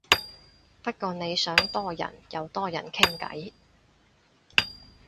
不過你想多人又多人傾偈